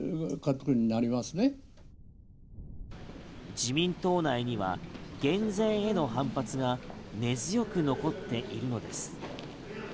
自民党内には減税への反発が根強く残っているのです。